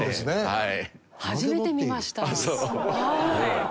はい。